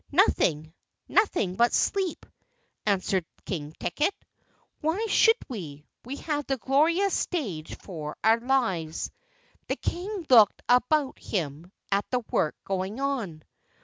"Nothing nothing but sleep," answered King Ticket. "Why should we? We have the glorious stage for our lives." The King looked about him at the work going on.